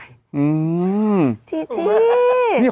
จีจี้